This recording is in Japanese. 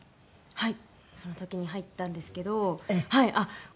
はい。